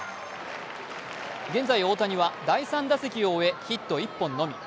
現在、大谷は第３打席を終えヒット１本のみ。